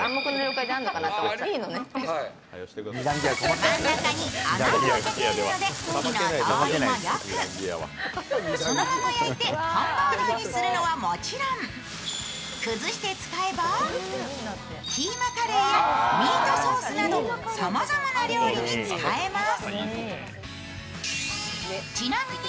真ん中に穴をあけているので火の通りもよく、そのまま焼いてハンバーガーにするのはもちろん、崩して使えばキーマカレーやミートソースなど、さまざまな料理に使えます。